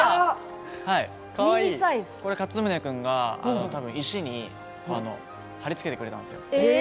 これ、かつむね君が石に貼り付けてくれたんですよ。